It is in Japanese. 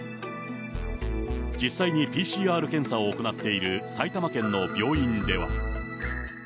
実際にＰＣＲ検査を行っている埼玉県の病院では。